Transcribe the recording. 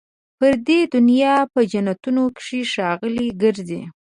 پر دې دنیا په جنتونو کي ښاغلي ګرځي